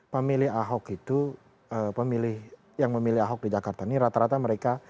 pemilih ahok itu pemilih yang memilih ahok di jakarta ini rata rata mereka